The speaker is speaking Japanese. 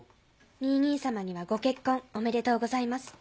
ニイ兄様にはご結婚おめでとうございます。